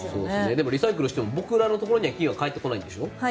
でもリサイクルしても僕らのところには金は返ってこないんでしょ？